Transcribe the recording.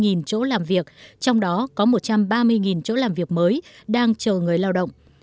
tp hcm sẽ cần hơn ba trăm hai mươi chỗ làm việc trong đó có một trăm ba mươi chỗ làm việc mới đang chờ người lao động